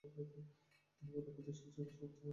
তিনি মনে করতেন শ্বর আমাদের সর্বোত্তম আশা ও প্রত্যাশার উৎস।